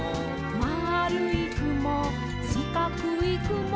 「まるいくもしかくいくも」